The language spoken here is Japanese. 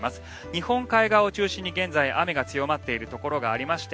日本海側を中心に現在、雨が強まっているところがありまして